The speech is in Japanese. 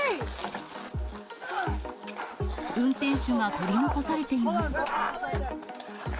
運転手が取り残されています。